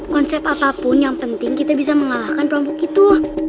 konsep apapun yang penting kita bisa mengalahkan kelompok itu